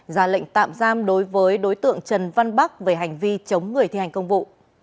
ra lệnh tạm giam đối với đối tượng trần văn bắc về hành vi chống người thi hành công vụ